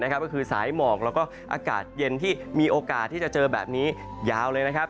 ก็คือสายหมอกแล้วก็อากาศเย็นที่มีโอกาสที่จะเจอแบบนี้ยาวเลยนะครับ